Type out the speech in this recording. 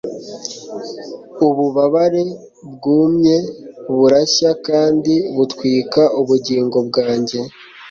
ububabare bwumye burashya kandi butwika ubugingo bwanjye